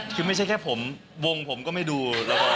คือไม่ใช่แค่ผมวงผมก็ไม่ดู